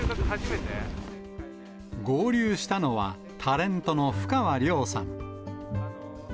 合流したのは、タレントのふかわりょうさん。